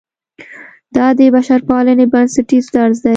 دا د بشرپالنې بنسټیز درس دی.